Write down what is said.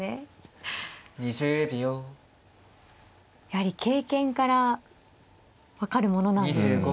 やはり経験から分かるものなんですね。